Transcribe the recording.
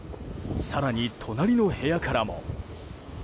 更に隣の部屋からも。